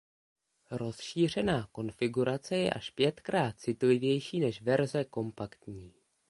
Rozšířená konfigurace je až pětkrát citlivější než verze kompaktní.